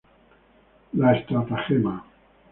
La estratagema.